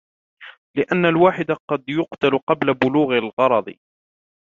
لِأَنَّ الْوَاحِدَ قَدْ يُقْتَلُ قَبْلَ بُلُوغِ الْغَرَضِ